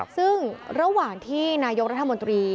ซึ่งระหว่างที่นายกรัฐมนตรี